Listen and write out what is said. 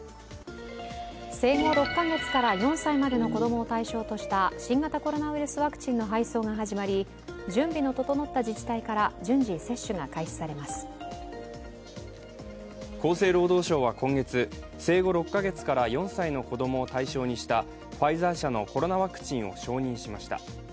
生後６か月から４歳までの子供を対象とした新型コロナウイルスワクチンの配送が始まり、準備の整った自治体から厚生労働省は今月、生後６か月から４歳の子供を対象にしたファイザー社のコロナワクチンを承認しました。